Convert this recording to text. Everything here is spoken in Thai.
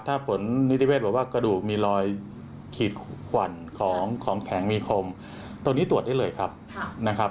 ตรงนี้ตรวจได้เลยครับนะครับ